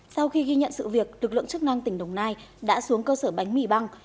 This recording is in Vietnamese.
sau khi ghi nhận sự việc lực lượng chức năng tỉnh đồng nai đã xuống cơ sở bánh mì băng